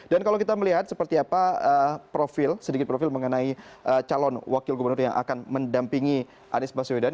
dan kalau kita melihat seperti apa profil sedikit profil mengenai calon wakil gubernur yang akan mendampingi anies baswedan